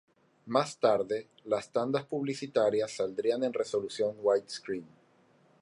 Más tarde, las tandas publicitarias saldrían en resolución widescreen.